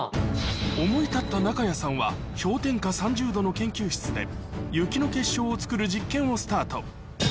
思い立った中谷さんは、氷点下３０度の研究室で、雪の結晶を作る実験をスタート。